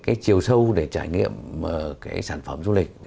cái chiều sâu để trải nghiệm cái sản phẩm du lịch